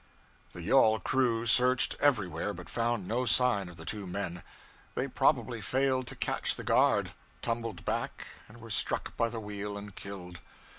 The yawl crew searched everywhere, but found no sign of the two men. They probably failed to catch the guard, tumbled back, and were struck by the wheel and killed.